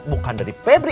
bukan dari febri